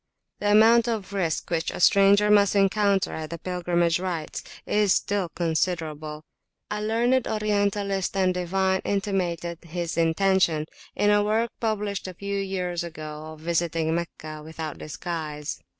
The amount of risk which a stranger must encounter at the pilgrimage rites is still considerable. A learned Orientalist and divine intimated his intention, in a work [p.240] published but a few years ago, of visiting Meccah without disguise.